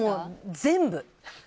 全部。